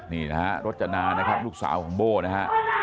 นี่นะฮะรจนานะครับลูกสาวของโบ้นะฮะ